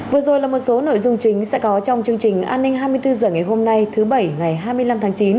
vừa rồi là một số nội dung chính sẽ có trong chương trình an ninh hai mươi bốn h ngày hôm nay thứ bảy ngày hai mươi năm tháng chín